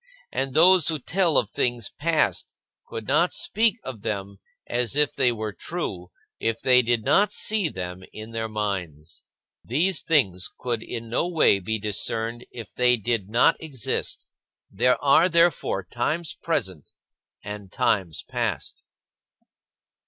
And those who tell of things past could not speak of them as if they were true, if they did not see them in their minds. These things could in no way be discerned if they did not exist. There are therefore times present and times past.